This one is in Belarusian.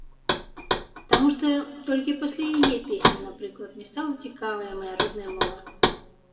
Таму што толькі пасля яе песень, напрыклад, мне стала цікавая мая родная мова.